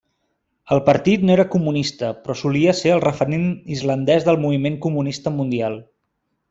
El partit no era comunista, però solia ser el referent islandès del moviment comunista mundial.